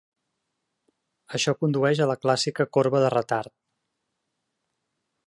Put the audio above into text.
Això condueix a la clàssica corba de retard.